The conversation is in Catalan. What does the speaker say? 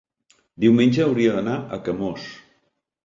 diumenge hauria d'anar a Camós.